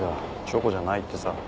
チョコじゃないってさ。